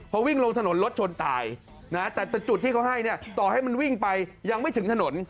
พอวิ่งลงถนนรถชนตายนะแต่จุดที่เขาให้เนี่ยต่อให้มันวิ่งไปยังไม่ถึงถนน